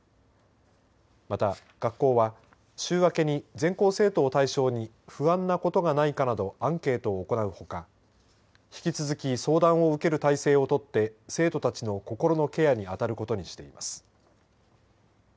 また学校は、週明けに全校生徒を対象に不安なことがないかなどアンケートを行うほか引き続き相談を受ける態勢を取って生徒たちの心のケアに当たることにしています。